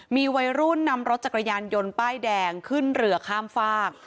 มีวัยรุ่นนำรถจักรยานยนต์ป้ายแดงขึ้นเรือข้ามฝาก